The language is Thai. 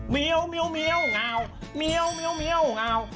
เมียวเมียวเมียวงาวเมียวเมียวเมียวงาว